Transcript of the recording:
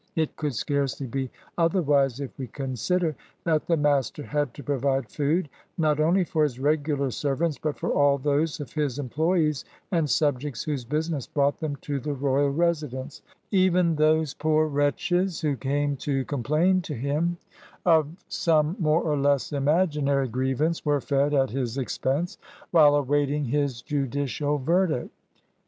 It could scarcely be otherwise if we consider that the mas ter had to provide food, not only for his regular serv ants, but for all those of his employees and subjects whose business brought them to the royal residence: even those poor wretches who came to complain to him of some more or less imaginary grievance, were fed at his expense while awaiting his judicial verdict.